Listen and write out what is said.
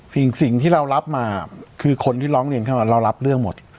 สิ่งที่เรารับมาคือคนที่ร้องเรียนเข้ามาเรารับเรื่องหมด